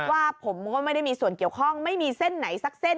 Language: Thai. ว่าผมก็ไม่ได้มีส่วนเกี่ยวข้องไม่มีเส้นไหนสักเส้น